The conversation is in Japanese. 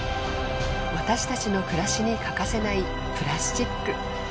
私たちの暮らしに欠かせないプラスチック。